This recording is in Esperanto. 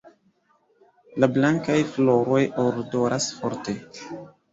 La blankaj floroj odoras forte.